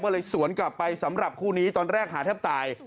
ก็เลยสวนกลับไปสำหรับคู่นี้ตอนแรกหาแทบตาย